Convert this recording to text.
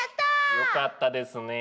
よかったですね。